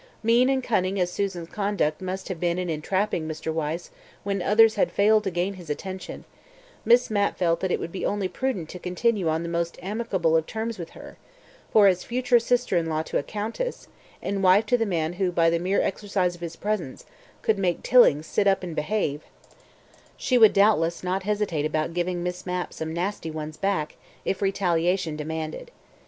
Mean and cunning as Susan's conduct must have been in entrapping Mr. Wyse when others had failed to gain his affection, Miss Mapp felt that it would be only prudent to continue on the most amicable of terms with her, for as future sister in law to a countess, and wife to the man who by the mere exercise of his presence could make Tilling sit up and behave, she would doubtless not hesitate about giving Miss Mapp some nasty ones back if retaliation demanded.